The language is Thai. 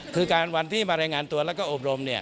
คือการวันที่มารายงานตัวแล้วก็อบรม